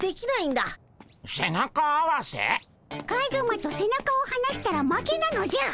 カズマと背中をはなしたら負けなのじゃ。